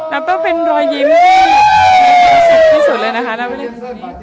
รับต้องเป็นรอยยิ้มที่สุดเลยนะคะรับไว้เลย